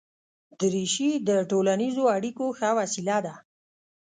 دریشي د ټولنیزو اړیکو ښه وسیله ده.